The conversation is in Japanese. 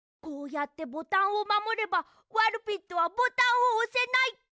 こうやってボタンをまもればワルピットはボタンをおせない。